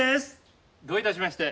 どういたしまして。